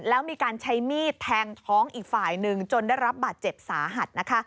แล้วมีการใช้มีดแทงท้องอีกฝ่ายหนึ่งจนได้รับบาดเจ็บสาหัสนะคะ